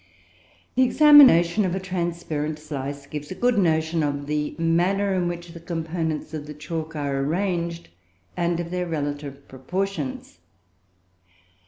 The examination of a transparent slice gives a good notion of the manner in which the components of the chalk are arranged, and of their relative proportions.